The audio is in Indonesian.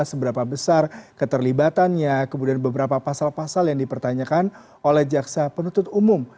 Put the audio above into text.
seberapa besar keterlibatannya kemudian beberapa pasal pasal yang dipertanyakan oleh jaksa penuntut umum